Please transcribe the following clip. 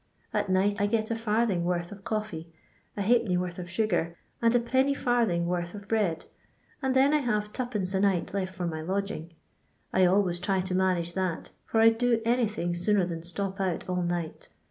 At night I get {d^ worth of coffee, {d, north of sugar, and l\d. worth of bread, and then I have 2d. a night left for my lodging ; I always try to manage that, for I 'd do anything sooner than stop out all night.